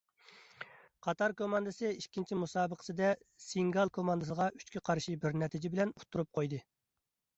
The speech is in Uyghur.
قاتار كوماندىسى ئىككىنچى مۇسابىقىسىدە سېنېگال كوماندىسىغا ئۈچكە قارشى بىر نەتىجە بىلەن ئۇتتۇرۇپ قويدى.